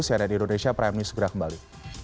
cnn indonesia prime news segera kembali